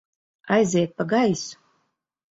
Aiziet pa gaisu!